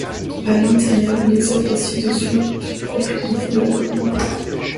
À l'intérieur, les œuvres ci-dessous, toutes propriétés de la commune.